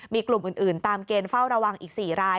มีกลุ่มอื่นตามเกณฑ์เฝ้าระวังอีก๔ราย